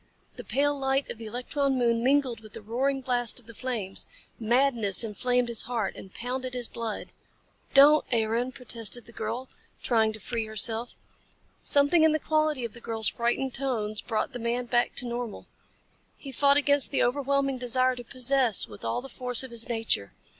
The pale light of the electron moon mingled with the roaring blast of the flames. Madness inflamed his heart and pounded his blood. "Don't, Aaron," protested the girl, trying to free herself. Something in the quality of the girl's frightened tones brought the man back to normal. He fought against the overwhelming desire to possess with all the force of his nature.